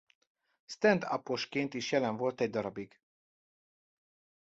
Stand-uposként is jelen volt egy darabig.